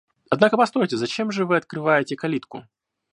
Однако постойте, зачем же вы открываете калитку?